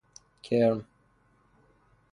کرم